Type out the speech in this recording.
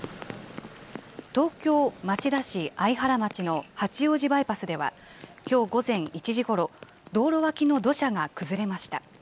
東京・町田市相原町の八王子バイパスでは、きょう午前１時ごろ、道路脇の土砂が崩れました。